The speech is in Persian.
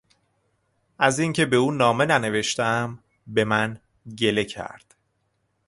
از اینکه به او نامه ننوشتهام به من گله کرد.